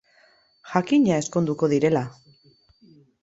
Jakina ezkonduko direla!